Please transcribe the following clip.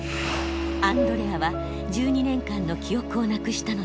アンドレアは１２年間の記憶をなくしたのです。